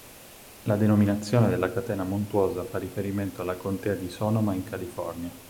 La denominazione della catena montuosa fa riferimento alla Contea di Sonoma in California.